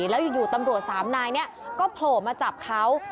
แล้วอยู่ตำรวจสามนายเนี่ยก็โผล่มาจับเขา